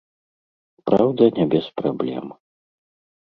Праўда, не без праблем.